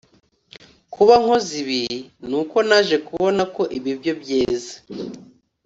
kuba nkoze iyi nuko naje kubona ko ibi byo byeze